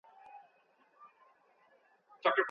د طلاق تکليفي حکم يا مشروعيت.